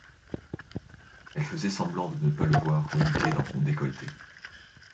elle faisant semblant de ne pas le voir reluquer dans son décolleté.